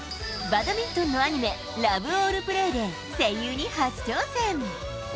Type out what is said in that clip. バドミントンのアニメ、ラブオールプレーで声優に初挑戦。